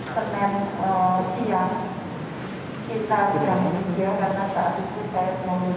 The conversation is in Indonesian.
hari teman siang kita sudah di video karena saat itu saya mengunggah